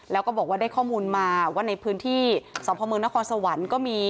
แล้วก็บอกได้ข้อมูลมาว่าในพื้นที่สเมนศก็มี